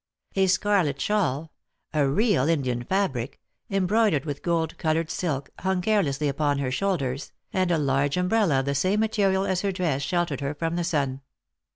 A scarlet shawl — a real Indian fabric — embroidered with gold coloured silk, hung care lessly upon her shoulders, and a large umbrella of the same material as her dress sheltered her from the sun.